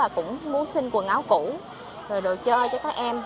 cũng muốn xin quần áo cũ rồi đồ chơi cho các em